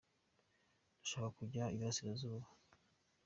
Ndashaka kujya iburasirazuba.